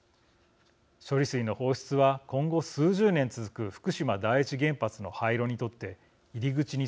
処理水の放出は今後数十年続く福島第一原発の廃炉にとって入り口にすぎません。